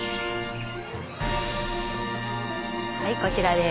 はいこちらです。